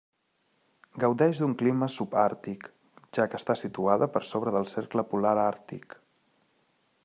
Gaudeix d'un clima subàrtic, ja que està situada per sobre del cercle polar àrtic.